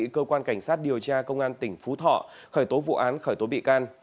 công an tỉnh phú thọ khởi tố vụ án khởi tố bị can